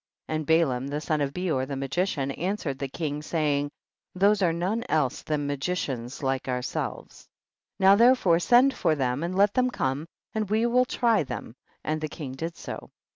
30. And Balaam the son of Beor the magician answered the king, saying, these are none else than ma gicians like ourselves. 31. Now therefore send for them, and let them come and we will try them, and the king did so.